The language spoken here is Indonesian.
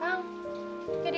atau ingin dan sah